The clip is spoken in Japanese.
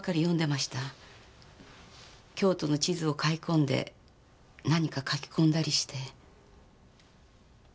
京都の地図を買い込んで何か書き込んだりして。